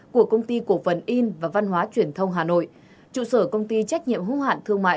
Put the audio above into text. của công ty cổ phần in và văn hóa truyền thông hà nội trụ sở công ty trách nhiệm hữu hạn thương mại